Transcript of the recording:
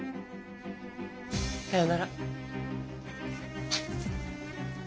さようなら。